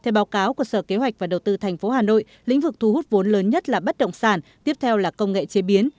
theo báo cáo của sở kế hoạch và đầu tư tp hà nội lĩnh vực thu hút vốn lớn nhất là bất động sản tiếp theo là công nghệ chế biến